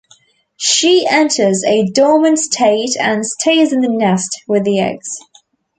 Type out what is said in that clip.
She enters a dormant state and stays in the nest with the eggs.